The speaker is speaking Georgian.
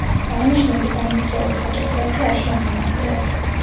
აღნიშნული სამლოცველოს ფოტოსურათი არ შემონახულა.